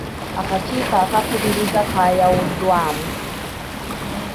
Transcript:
Akakiiko akakubirizi kaayawuddwamu.